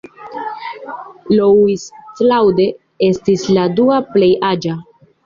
Louis-Claude estis la dua plej aĝa.